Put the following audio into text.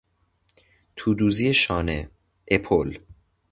تودوزی شانه، اپل